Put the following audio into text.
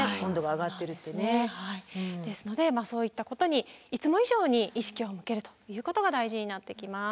ですのでそういったことにいつも以上に意識を向けるということが大事になってきます。